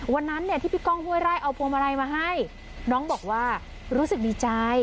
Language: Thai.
วันนั้นเนี่ยที่พี่ก้องห้วยไร่เอาพวงมาลัยมาให้น้องบอกว่ารู้สึกดีใจ